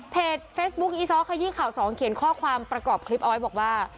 เฟซบุ๊คอีซ้อขยี้ข่าวสองเขียนข้อความประกอบคลิปเอาไว้บอกว่า